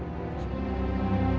bagaimana keadaan ibu jangan merana